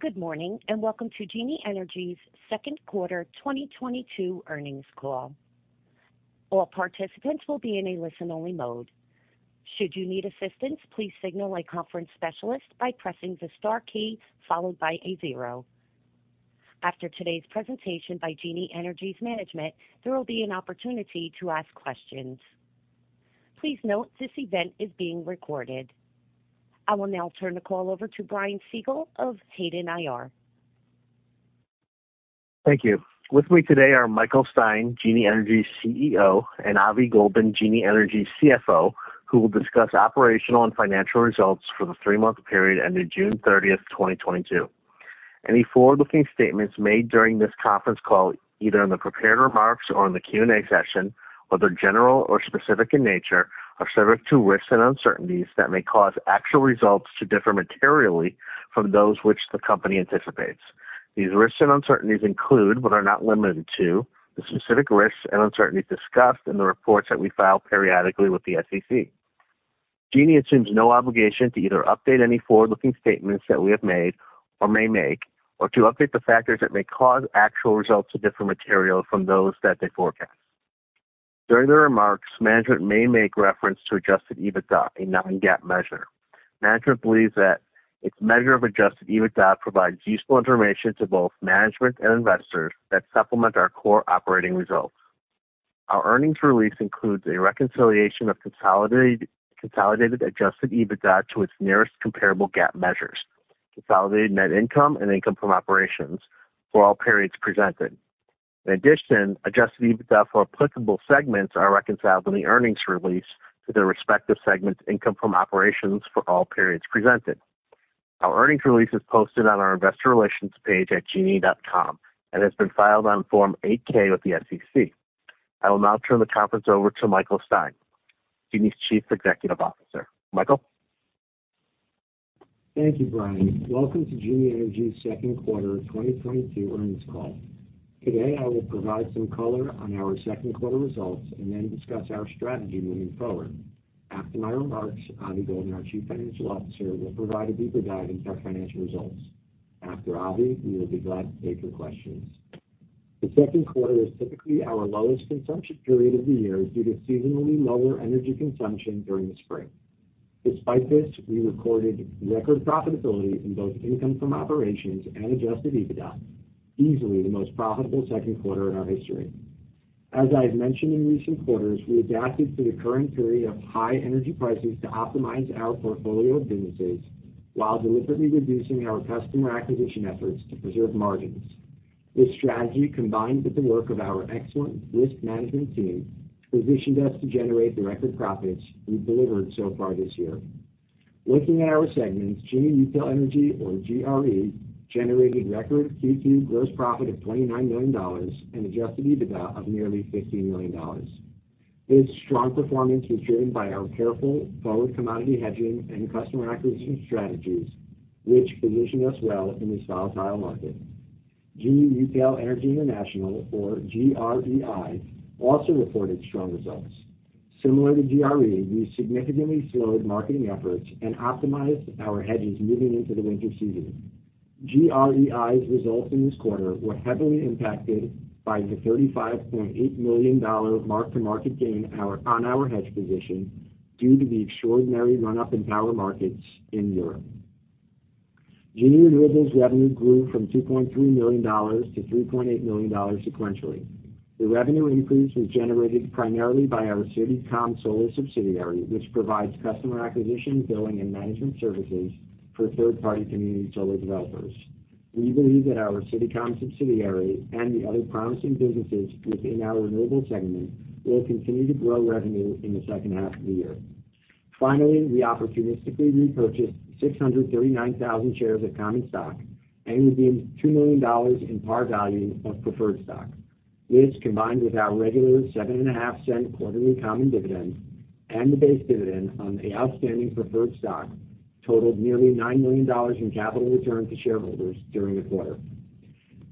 Good morning, and welcome to Genie Energy's Second Quarter 2022 Earnings Call. All participants will be in a listen-only mode. Should you need assistance, please signal a conference specialist by pressing the star key followed by a zero. After today's presentation by Genie Energy's management, there will be an opportunity to ask questions. Please note this event is being recorded. I will now turn the call over to Brian Siegel of Hayden IR. Thank you. With me today are Michael Stein, Genie Energy's CEO, and Avi Goldin, Genie Energy's CFO, who will discuss operational and financial results for the three-month period ended June 30th, 2022. Any forward-looking statements made during this conference call, either in the prepared remarks or in the Q&A session, whether general or specific in nature, are subject to risks and uncertainties that may cause actual results to differ materially from those which the company anticipates. These risks and uncertainties include, but are not limited to, the specific risks and uncertainties discussed in the reports that we file periodically with the SEC. Genie assumes no obligation to either update any forward-looking statements that we have made or may make, or to update the factors that may cause actual results to differ materially from those that they forecast. During the remarks, management may make reference to adjusted EBITDA, a non-GAAP measure. Management believes that its measure of adjusted EBITDA provides useful information to both management and investors that supplement our core operating results. Our earnings release includes a reconciliation of consolidated adjusted EBITDA to its nearest comparable GAAP measures, consolidated net income and income from operations for all periods presented. In addition, adjusted EBITDA for applicable segments are reconciled in the earnings release to their respective segments income from operations for all periods presented. Our earnings release is posted on our investor relations page at genie.com, and has been filed on Form 8-K with the SEC. I will now turn the conference over to Michael Stein, Genie's Chief Executive Officer. Michael. Thank you, Brian. Welcome to Genie Energy's second quarter 2022 earnings call. Today, I will provide some color on our second quarter results and then discuss our strategy moving forward. After my remarks, Avi Goldin, our Chief Financial Officer, will provide a deeper dive into our financial results. After Avi, we will be glad to take your questions. The second quarter is typically our lowest consumption period of the year due to seasonally lower energy consumption during the spring. Despite this, we recorded record profitability in both income from operations and adjusted EBITDA, easily the most profitable second quarter in our history. As I have mentioned in recent quarters, we adapted to the current period of high energy prices to optimize our portfolio of businesses while deliberately reducing our customer acquisition efforts to preserve margins. This strategy, combined with the work of our excellent risk management team, positioned us to generate the record profits we've delivered so far this year. Looking at our segments, Genie Retail Energy or GRE, generated record Q2 gross profit of $29 million and adjusted EBITDA of nearly $15 million. This strong performance was driven by our careful forward commodity hedging and customer acquisition strategies, which position us well in this volatile market. Genie Retail Energy International, or GREI, also reported strong results. Similar to GRE, we significantly slowed marketing efforts and optimized our hedges moving into the winter season. GREI's results in this quarter were heavily impacted by the $35.8 million mark-to-market gain on our hedge position due to the extraordinary run-up in power markets in Europe. Genie Renewables revenue grew from $2.3 million-$3.8 million sequentially. The revenue increase was generated primarily by our CityCom Solar subsidiary, which provides customer acquisition, billing, and management services for third-party community solar developers. We believe that our CityCom subsidiary and the other promising businesses within our renewables segment will continue to grow revenue in the second half of the year. We opportunistically repurchased 639,000 shares of common stock and redeemed $2 million in par value of preferred stock. This, combined with our regular $0.075 quarterly common dividend and the base dividend on the outstanding preferred stock, totaled nearly $9 million in capital return to shareholders during the quarter.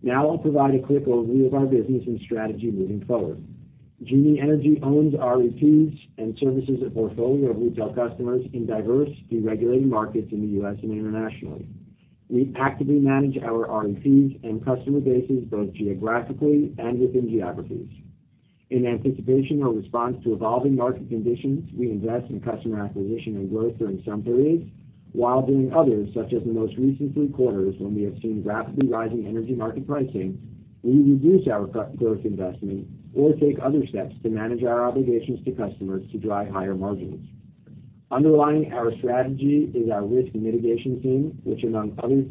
Now I'll provide a quick overview of our business and strategy moving forward. Genie Energy owns REPs and services a portfolio of retail customers in diverse deregulated markets in the U.S. and internationally. We actively manage our REPs and customer bases, both geographically and within geographies. In anticipation or response to evolving market conditions, we invest in customer acquisition and growth during some periods, while during others, such as the most recent three quarters when we have seen rapidly rising energy market pricing, we reduce our growth investment or take other steps to manage our obligations to customers to drive higher margins. Underlying our strategy is our risk mitigation team, which among other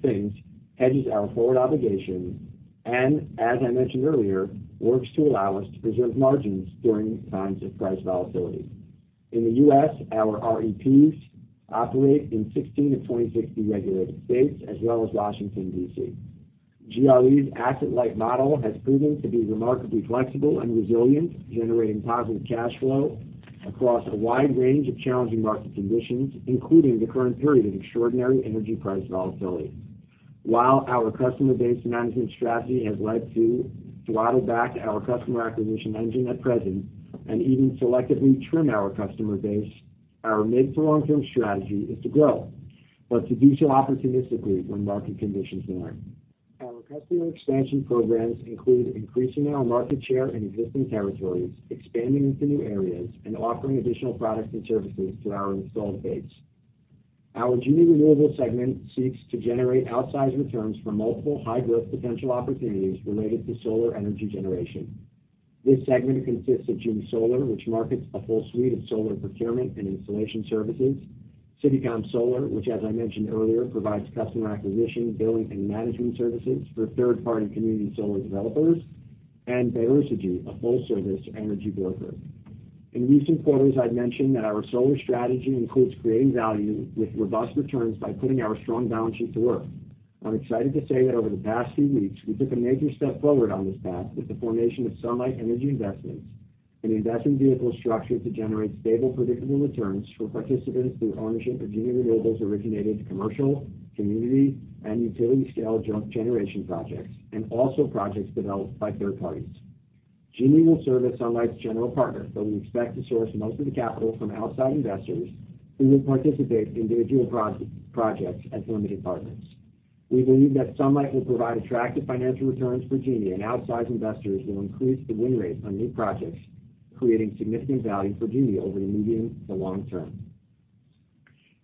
things, hedges our forward obligations, and as I mentioned earlier, works to allow us to preserve margins during times of price volatility. In the U.S., our REPs operate in 16 of 26 deregulated states as well as Washington, D.C. GRE's asset-light model has proven to be remarkably flexible and resilient, generating positive cash flow across a wide range of challenging market conditions, including the current period of extraordinary energy price volatility. While our customer base management strategy has led to throttle back our customer acquisition engine at present and even selectively trim our customer base, our mid to long-term strategy is to grow, but to do so opportunistically when market conditions align. Our customer expansion programs include increasing our market share in existing territories, expanding into new areas, and offering additional products and services to our installed base. Our Genie Renewables segment seeks to generate outsized returns for multiple high-growth potential opportunities related to solar energy generation. This segment consists of Genie Solar, which markets a full suite of solar procurement and installation services, CityCom Solar, which as I mentioned earlier, provides customer acquisition, billing, and management services for third-party community solar developers, and Diversegy, a full-service energy broker. In recent quarters, I've mentioned that our solar strategy includes creating value with robust returns by putting our strong balance sheet to work. I'm excited to say that over the past few weeks, we took a major step forward on this path with the formation of Sunlight Energy Investments, an investment vehicle structured to generate stable, predictable returns for participants through ownership of Genie Renewables originated commercial, community, and utility-scale generation projects, and also projects developed by third parties. Genie will serve as Sunlight's general partner, though we expect to source most of the capital from outside investors who will participate in individual projects as limited partners. We believe that Sunlight will provide attractive financial returns for Genie, and outsized investors will increase the win rate on new projects, creating significant value for Genie over the medium to long term.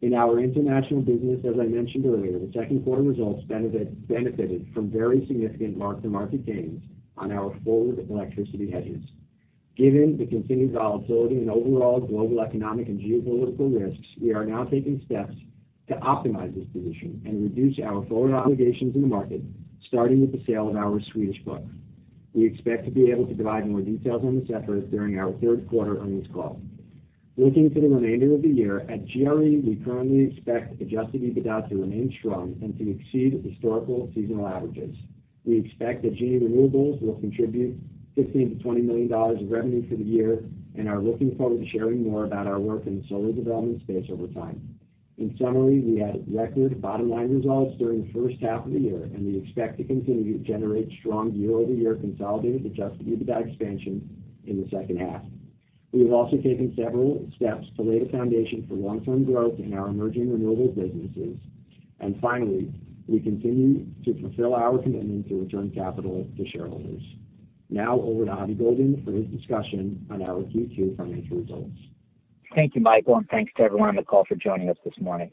In our international business, as I mentioned earlier, the second quarter results benefited from very significant mark-to-market gains on our forward electricity hedges. Given the continued volatility and overall global economic and geopolitical risks, we are now taking steps to optimize this position and reduce our forward obligations in the market, starting with the sale of our Swedish book. We expect to be able to provide more details on this effort during our third quarter earnings call. Looking to the remainder of the year, at GRE, we currently expect adjusted EBITDA to remain strong and to exceed historical seasonal averages. We expect that Genie Renewables will contribute $15-$20 million of revenue for the year and are looking forward to sharing more about our work in the solar development space over time. In summary, we had record bottom-line results during the first half of the year, and we expect to continue to generate strong year-over-year consolidated adjusted EBITDA expansion in the second half. We have also taken several steps to lay the foundation for long-term growth in our emerging renewable businesses. Finally, we continue to fulfill our commitment to return capital to shareholders. Now over to Avi Goldin for his discussion on our Q2 financial results. Thank you, Michael, and thanks to everyone on the call for joining us this morning.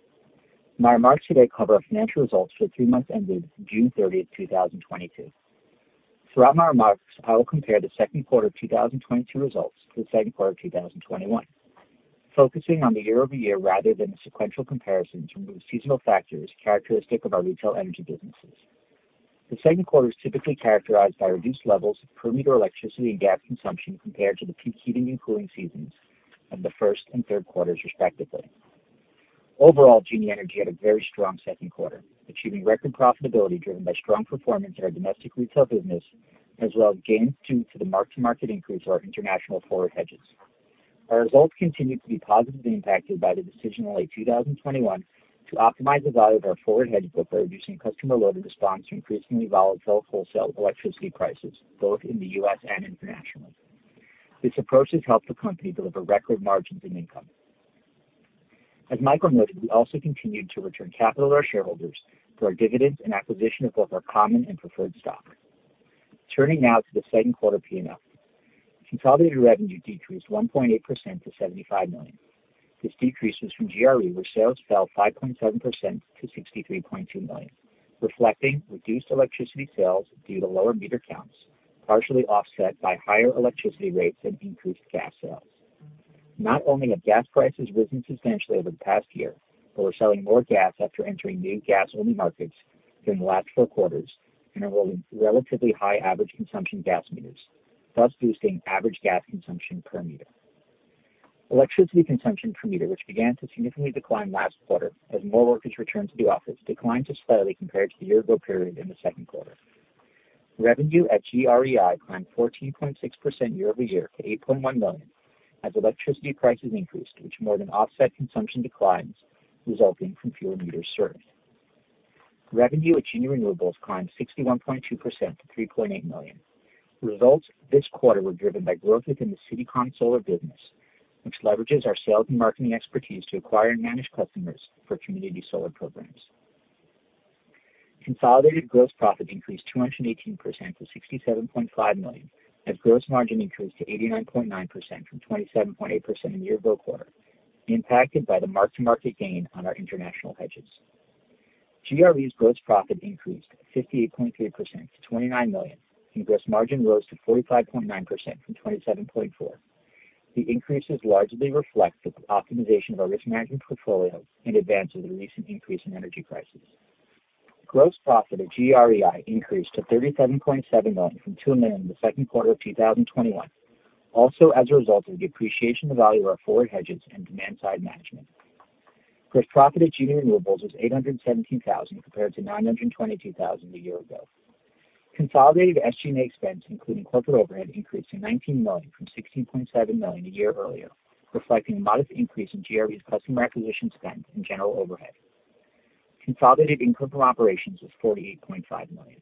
My remarks today cover our financial results for the three months ended June 30, 2022. Throughout my remarks, I will compare the second quarter of 2022 results to the second quarter of 2021, focusing on the year-over-year rather than the sequential comparison to remove seasonal factors characteristic of our retail energy businesses. The second quarter is typically characterized by reduced levels of per-meter electricity and gas consumption compared to the peak heating and cooling seasons of the first and third quarters, respectively. Overall, Genie Energy had a very strong second quarter, achieving record profitability driven by strong performance in our domestic retail business, as well as gains due to the mark-to-market increase of our international forward hedges. Our results continued to be positively impacted by the decision in late 2021 to optimize the value of our forward hedge book by reducing customer load in response to increasingly volatile wholesale electricity prices, both in the U.S. and internationally. This approach has helped the company deliver record margins and income. As Michael noted, we also continued to return capital to our shareholders through our dividends and acquisition of both our common and preferred stock. Turning now to the second quarter P&L. Consolidated revenue decreased 1.8% to $75 million. This decrease was from GRE, where sales fell 5.7% to $63.2 million, reflecting reduced electricity sales due to lower meter counts, partially offset by higher electricity rates and increased gas sales. Not only have gas prices risen substantially over the past year, but we're selling more gas after entering new gas-only markets during the last four quarters and enrolling relatively high average consumption gas meters, thus boosting average gas consumption per meter. Electricity consumption per meter, which began to significantly decline last quarter as more workers returned to the office, declined just slightly compared to the year-ago period in the second quarter. Revenue at GREI climbed 14.6% year-over-year to $8.1 million, as electricity prices increased, which more than offset consumption declines resulting from fewer meters served. Revenue at Genie Renewables climbed 61.2% to $3.8 million. Results this quarter were driven by growth within the CityCom Solar business, which leverages our sales and marketing expertise to acquire and manage customers for community solar programs. Consolidated gross profit increased 218% to $67.5 million, as gross margin increased to 89.9% from 27.8% in the year-ago quarter, impacted by the mark-to-market gain on our international hedges. GRE's gross profit increased 58.3% to $29 million, and gross margin rose to 45.9% from 27.4%. The increases largely reflect the optimization of our risk management portfolio in advance of the recent increase in energy prices. Gross profit at GREI increased to $37.7 million from $2 million in the second quarter of 2021, also as a result of the appreciation of the value of our forward hedges and demand side management. Gross profit at Genie Renewables was $817,000 compared to $922,000 a year ago. Consolidated SG&A expense, including corporate overhead, increased to $19 million from $16.7 million a year earlier, reflecting a modest increase in GRE's customer acquisition spend and general overhead. Consolidated income from operations was $48.5 million.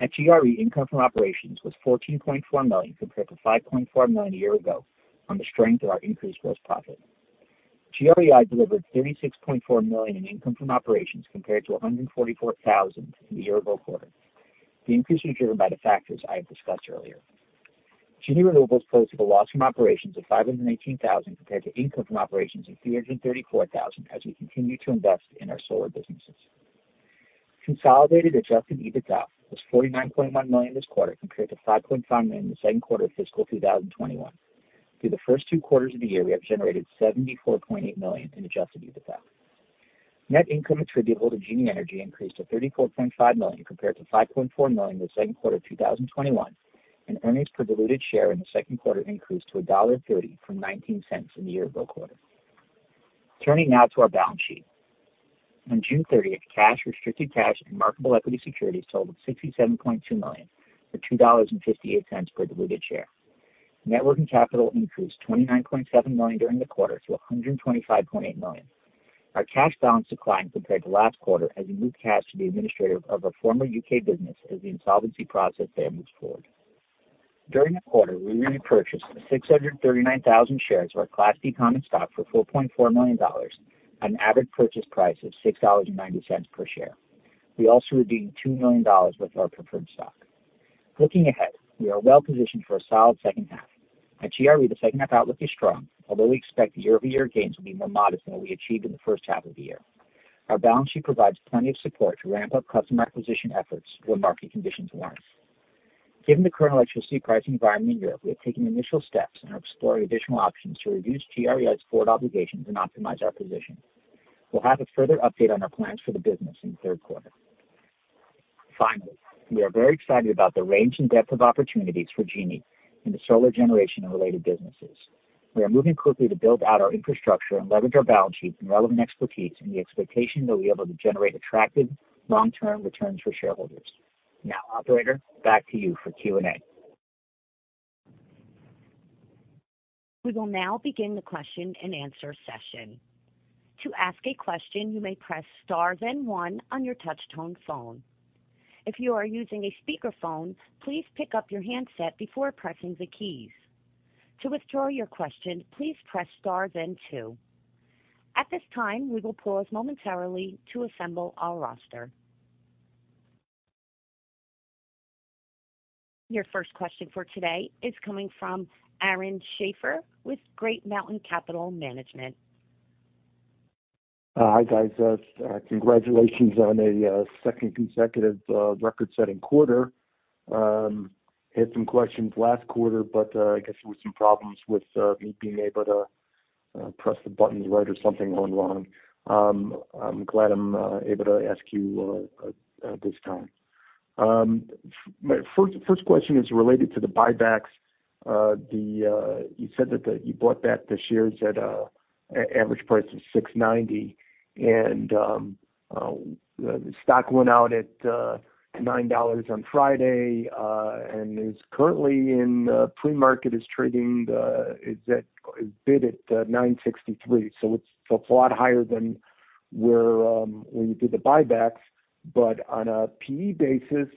At GRE, income from operations was $14.4 million compared to $5.4 million a year ago on the strength of our increased gross profit. GREI delivered $36.4 million in income from operations compared to $144,000 in the year-ago quarter. The increase was driven by the factors I have discussed earlier. Genie Renewables posted a loss from operations of $518,000 compared to income from operations of $334,000 as we continue to invest in our solar businesses. Consolidated adjusted EBITDA was $49.1 million this quarter compared to $5.5 million in the second quarter of fiscal 2021. Through the first two quarters of the year, we have generated $74.8 million in adjusted EBITDA. Net income attributable to Genie Energy increased to $34.5 million compared to $5.4 million in the second quarter of 2021, and earnings per diluted share in the second quarter increased to $1.30 from $0.19 in the year-ago quarter. Turning now to our balance sheet. On June 30, cash, restricted cash, and marketable equity securities totaled $67.2 million, or $2.58 per diluted share. Net working capital increased $29.7 million during the quarter to $125.8 million. Our cash balance declined compared to last quarter as we moved cash to the administrator of our former U.K. business as the insolvency process there moves forward. During the quarter, we repurchased 639,000 shares of our Class B common stock for $4.4 million on an average purchase price of $6.90 per share. We also redeemed $2 million worth of our preferred stock. Looking ahead, we are well positioned for a solid second half. At GRE, the second half outlook is strong, although we expect year-over-year gains will be more modest than what we achieved in the first half of the year. Our balance sheet provides plenty of support to ramp up customer acquisition efforts when market conditions warrant. Given the current electricity pricing environment in Europe, we have taken initial steps and are exploring additional options to reduce GREI's forward obligations and optimize our position. We'll have a further update on our plans for the business in the third quarter. Finally, we are very excited about the range and depth of opportunities for Genie in the solar generation and related businesses. We are moving quickly to build out our infrastructure and leverage our balance sheet and relevant expertise in the expectation that we'll be able to generate attractive long-term returns for shareholders. Now, operator, back to you for Q&A. We will now begin the question-and-answer session. To ask a question, you may press star then one on your touch-tone phone. If you are using a speakerphone, please pick up your handset before pressing the keys. To withdraw your question, please press star then two. At this time, we will pause momentarily to assemble our roster. Your first question for today is coming from Aaron Shafter with Great Mountain Capital Management. Hi, guys. Congratulations on a second consecutive record-setting quarter. Had some questions last quarter, but I guess there were some problems with me being able to press the buttons right or something went wrong. I'm glad I'm able to ask you this time. My first question is related to the buybacks. You said that you bought back the shares at an average price of $6.90, and the stock went out at $9 on Friday, and is currently in pre-market trading, bid at $9.63. So it's a lot higher than when you did the buybacks. But on a P/E basis,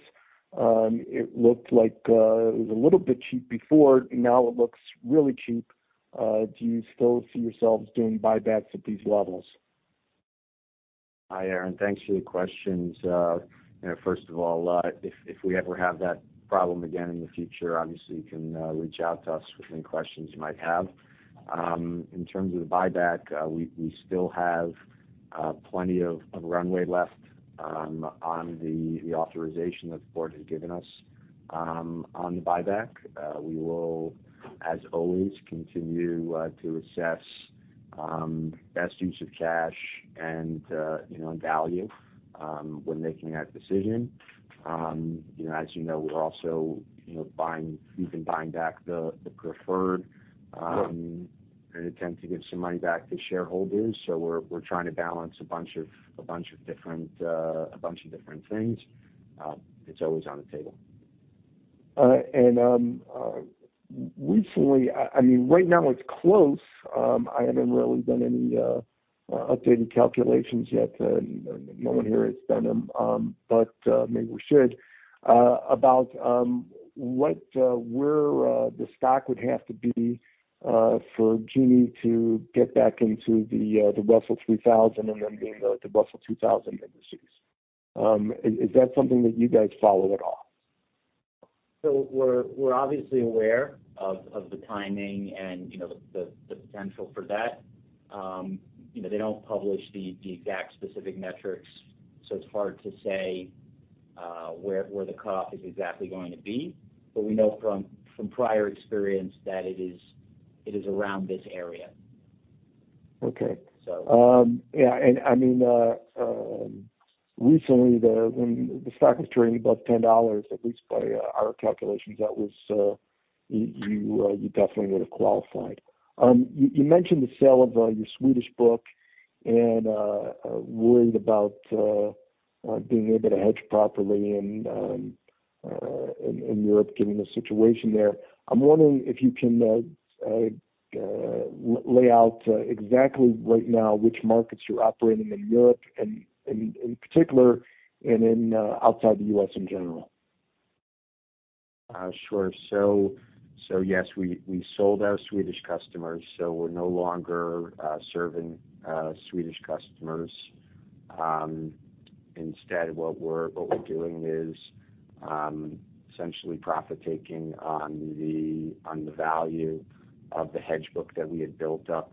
it looked like it was a little bit cheap before. Now it looks really cheap. Do you still see yourselves doing buybacks at these levels? Hi, Aaron. Thanks for the questions. You know, first of all, if we ever have that problem again in the future, obviously you can reach out to us with any questions you might have. In terms of the buyback, we still have plenty of runway left on the authorization that the board has given us on the buyback. We will, as always, continue to assess best use of cash and you know, and value when making that decision. You know, as you know, we're also buying, even buying back the preferred in an attempt to give some money back to shareholders. We're trying to balance a bunch of different things. It's always on the table. Recently, I mean, right now it's close. I haven't really done any updated calculations yet. No one here has done them. Maybe we should. About where the stock would have to be for Genie to get back into the Russell 3000 and then being the Russell 2000 indices. Is that something that you guys follow at all? We're obviously aware of the timing and, you know, the potential for that. You know, they don't publish the exact specific metrics, so it's hard to say where the cutoff is exactly going to be. We know from prior experience that it is around this area. Okay. So. Yeah, I mean, recently, when the stock was trading above $10, at least by our calculations, that was you definitely would have qualified. You mentioned the sale of your Swedish book and worried about being able to hedge properly in Europe, given the situation there. I'm wondering if you can lay out exactly right now which markets you're operating in Europe and in particular and then outside the U.S. In general. Sure. So yes, we sold our Swedish customers, so we're no longer serving Swedish customers. Instead, what we're doing is essentially profit-taking on the value of the hedge book that we had built up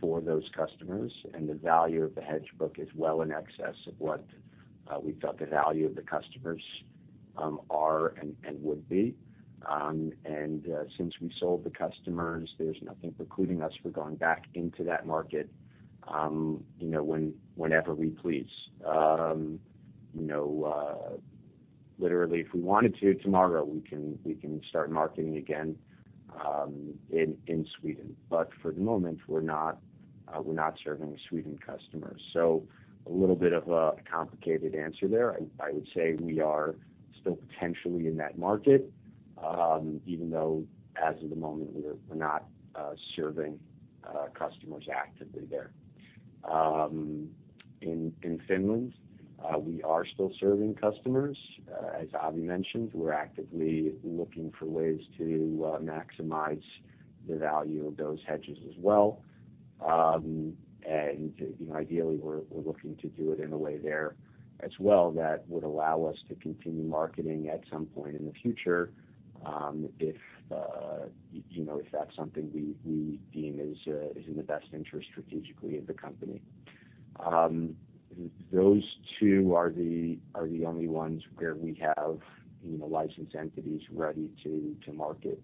for those customers. The value of the hedge book is well in excess of what we felt the value of the customers are and would be. Since we sold the customers, there's nothing precluding us from going back into that market, you know, whenever we please. You know, literally, if we wanted to tomorrow, we can start marketing again in Sweden. But for the moment, we're not serving Swedish customers. A little bit of a complicated answer there. I would say we are still potentially in that market, even though as of the moment we're not serving customers actively there. In Finland, we are still serving customers. As Avi mentioned, we're actively looking for ways to maximize the value of those hedges as well. You know, ideally, we're looking to do it in a way there as well that would allow us to continue marketing at some point in the future, if you know, if that's something we deem is in the best interest strategically of the company. Those two are the only ones where we have you know, licensed entities ready to market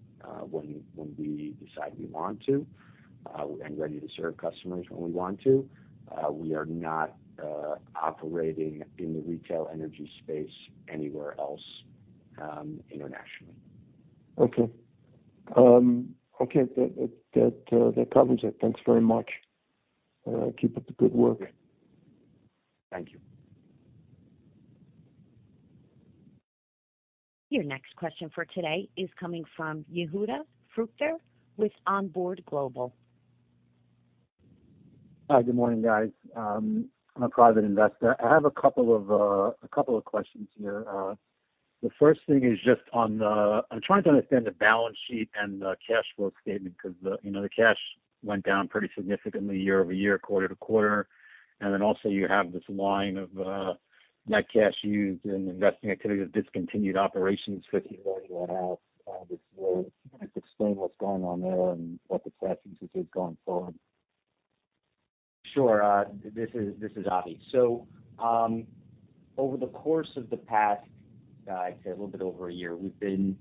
when we decide we want to and ready to serve customers when we want to. We are not operating in the retail energy space anywhere else internationally. Okay. Okay. That covers it. Thanks very much. Keep up the good work. Thank you. Your next question for today is coming from Yehuda Fruchter with Onboard Global. Hi, good morning, guys. I'm a private investor. I have a couple of questions here. I'm trying to understand the balance sheet and the cash flow statement because you know, the cash went down pretty significantly year-over-year, quarter-to-quarter. You have this line of net cash used in investing activity with discontinued operations, $50.5 million. This low. Can you just explain what's going on there and what the plan is with this going forward? Sure. This is Avi. Over the course of the past, I'd say a little bit over a year, we've been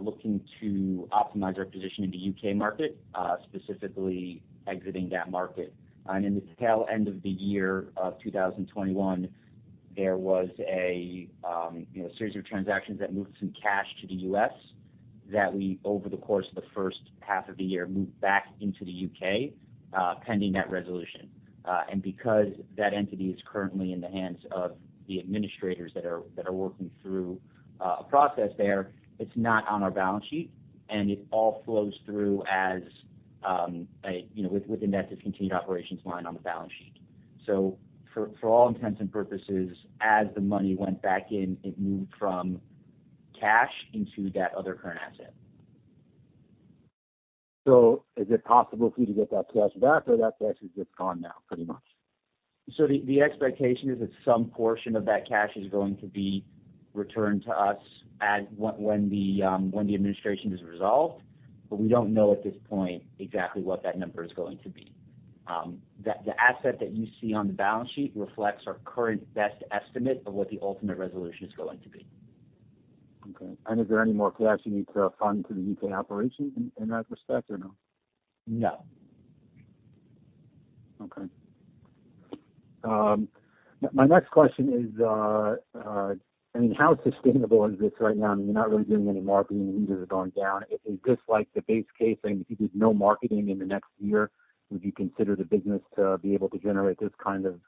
looking to optimize our position in the U.K. market, specifically exiting that market. In the tail end of the year of 2021, there was a you know, series of transactions that moved some cash to the U.S. that we, over the course of the first half of the year, moved back into the U.K., pending that resolution. Because that entity is currently in the hands of the administrators that are working through a process there, it's not on our balance sheet, and it all flows through as you know, with the net discontinued operations line on the balance sheet. For all intents and purposes, as the money went back in, it moved from cash into that other current asset. Is it possible for you to get that cash back, or that cash is just gone now pretty much? The expectation is that some portion of that cash is going to be returned to us at when the administration is resolved, but we don't know at this point exactly what that number is going to be. The asset that you see on the balance sheet reflects our current best estimate of what the ultimate resolution is going to be. Okay. Is there any more cash you need to fund for the U.K. operation in that respect or no? No. Okay. My next question is, I mean, how sustainable is this right now? I mean, you're not really doing any marketing. The users are going down. Is this like the base case if you did no marketing in the next year, would you consider the business to be able to generate this kind of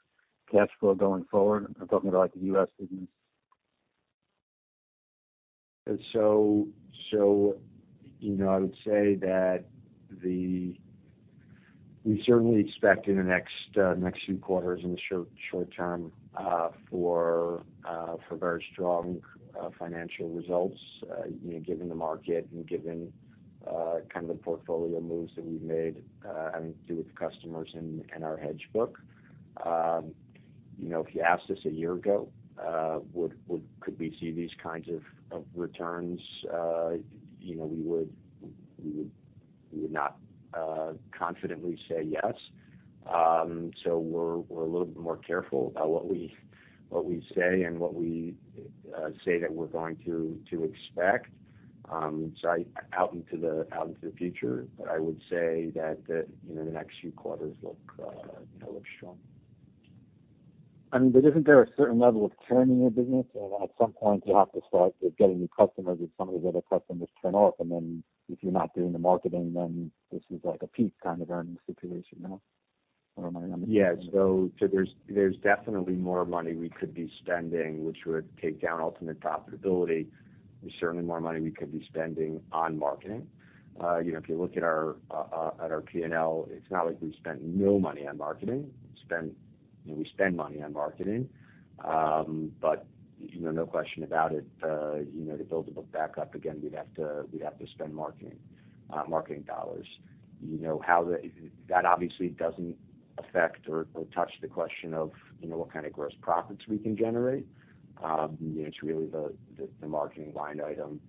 cash flow going forward? I'm talking about like the U.S. business. You know, I would say that we certainly expect in the next few quarters in the short term for very strong financial results, you know, given the market and given kind of the portfolio moves that we've made, having to do with the customers and our hedge book. You know, if you asked us a year ago, could we see these kinds of returns, you know, we would not confidently say yes. We're a little bit more careful about what we say and what we say that we're going to expect out into the future. I would say that you know, the next few quarters look strong. Isn't there a certain level of churn in your business? At some point you have to start getting new customers if some of your other customers turn off. If you're not doing the marketing, then this is like a peak kind of earning situation now. I don't know. Yes. There's definitely more money we could be spending, which would take down ultimate profitability. There's certainly more money we could be spending on marketing. You know, if you look at our P&L, it's not like we've spent no money on marketing. We spend, you know, money on marketing. You know, no question about it, you know, to build the book back up again, we'd have to spend marketing dollars. You know, that obviously doesn't affect or touch the question of, you know, what kind of gross profits we can generate. You know, it's really the marketing line item,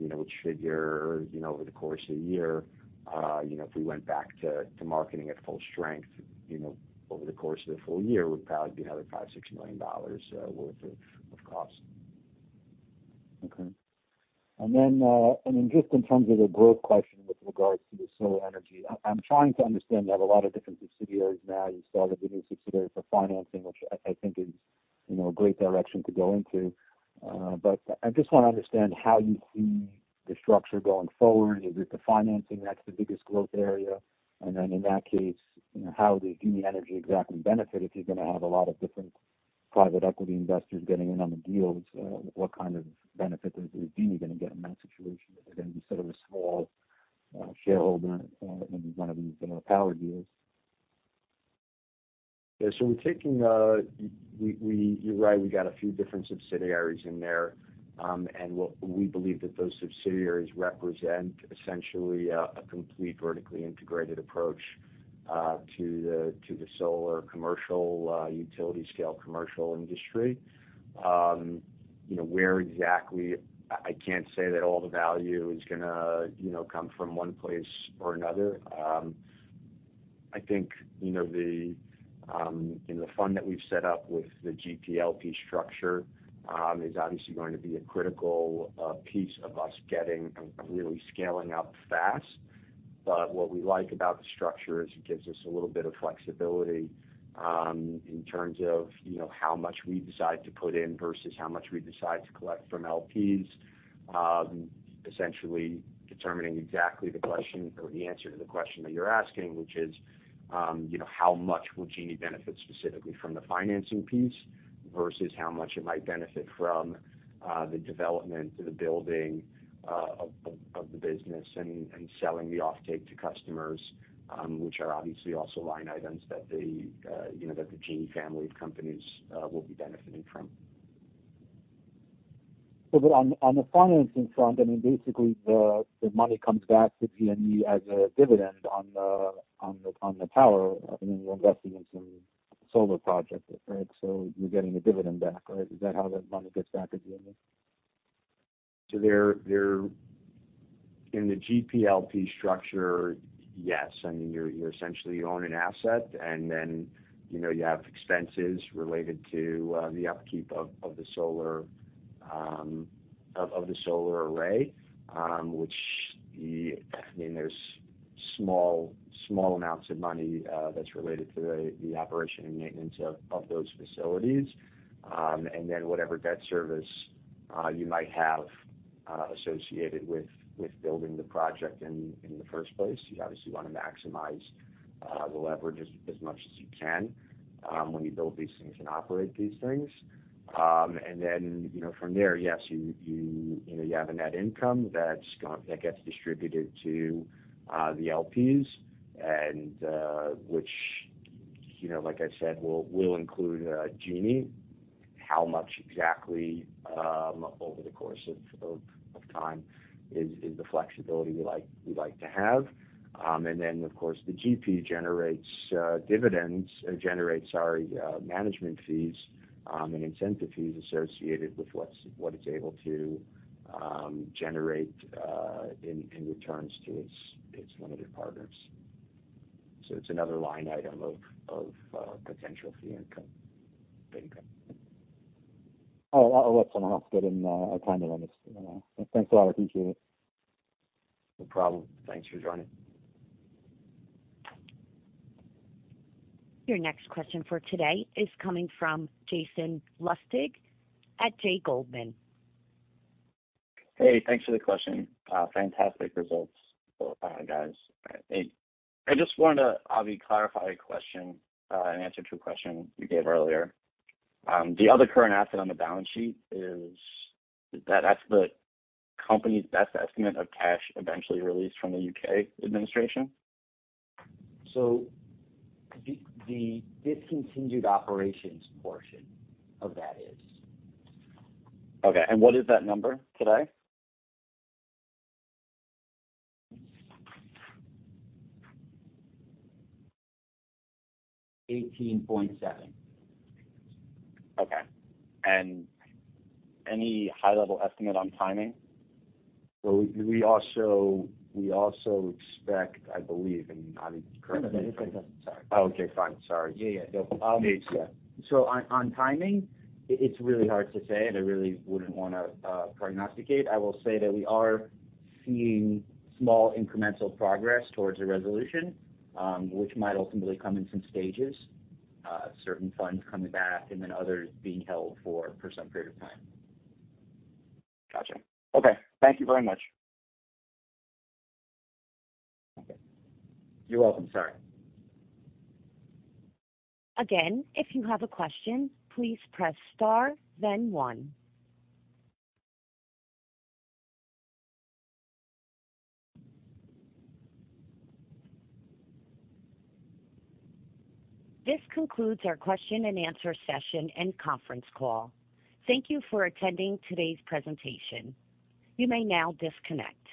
you know, which should, you know, over the course of a year, you know, if we went back to marketing at full strength, you know, over the course of a full year, would probably be another $5-$6 million worth of cost. Okay. Just in terms of the growth question with regards to the solar energy. I'm trying to understand, you have a lot of different subsidiaries now. You saw the new subsidiary for financing, which I think is, you know, a great direction to go into. But I just want to understand how you see the structure going forward. Is it the financing that's the biggest growth area? And then in that case, you know, how does Genie Energy exactly benefit if you're gonna have a lot of different private equity investors getting in on the deals? What kind of benefit is Genie gonna get in that situation? Is it gonna be sort of a small shareholder in one of these, you know, power deals? Yeah. You're right, we got a few different subsidiaries in there. What we believe that those subsidiaries represent essentially a complete vertically integrated approach to the solar commercial utility scale commercial industry. You know, I can't say that all the value is gonna come from one place or another. I think, you know, the fund that we've set up with the GP-LP structure is obviously going to be a critical piece of us getting really scaling up fast. What we like about the structure is it gives us a little bit of flexibility in terms of, you know, how much we decide to put in versus how much we decide to collect from LPs. Essentially determining exactly the question or the answer to the question that you're asking, which is, you know, how much will Genie benefit specifically from the financing piece versus how much it might benefit from the development, the building of the business and selling the offtake to customers, which are obviously also line items that the, you know, that the Genie family of companies will be benefiting from. On the financing front, I mean, basically the money comes back to Genie as a dividend on the power. I mean, you're investing in some solar project, right? You're getting a dividend back. Is that how that money gets back to Genie? In the GP-LP structure, yes. I mean, you essentially own an asset and then, you know, you have expenses related to the upkeep of the solar array, which, I mean, there's small amounts of money that's related to the operation and maintenance of those facilities. Whatever debt service you might have associated with building the project in the first place. You obviously want to maximize the leverage as much as you can when you build these things and operate these things. From there, yes, you know, you have a net income that gets distributed to the LPs, which, you know, like I said, will include Genie. How much exactly over the course of time is the flexibility we like to have. Of course, the GP generates management fees and incentive fees associated with what it's able to generate in returns to its limited partners. It's another line item of potential fee income. I'll let someone else get in, time limits. Thanks a lot. I appreciate it. No problem. Thanks for joining. Your next question for today is coming from Jason Lustig at J. Goldman. Hey, thanks for the question. Fantastic results, guys. I just wanted to clarify a question, an answer to a question you gave earlier. The other current asset on the balance sheet, that's the company's best estimate of cash eventually released from the U.K. administration? The discontinued operations portion of that is. Okay. What is that number today? 18.7. Okay. Any high-level estimate on timing? We also expect, I believe, and I could No, no. It's okay. Sorry. Oh, okay. Fine. Sorry. Yeah, yeah. No. On timing, it's really hard to say, and I really wouldn't wanna prognosticate. I will say that we are seeing small incremental progress towards a resolution, which might ultimately come in some stages. Certain funds coming back and then others being held for some period of time. Gotcha. Okay. Thank you very much. You're welcome. Sorry. Again, if you have a question, please press star then one. This concludes our question-and-answer session and conference call. Thank you for attending today's presentation. You may now disconnect.